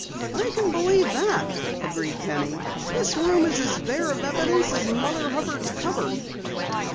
"I can believe it," agreed Penny. "This room is as bare of evidence as Mother Hubbard's cupboard."